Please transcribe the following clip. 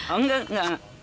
oh enggak enggak